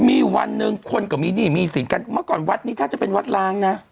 มีวันหนึ่งคนก็มีหนี้มีสินกันเมื่อก่อนวัดนี้ถ้าจะเป็นวัดล้างนะ